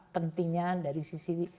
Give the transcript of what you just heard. pentingnya dari sisi